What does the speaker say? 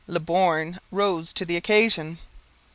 Le Borgne rose to the occasion.